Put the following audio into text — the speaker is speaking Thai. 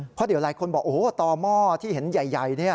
เพราะเดี๋ยวหลายคนบอกโอ้โหต่อหม้อที่เห็นใหญ่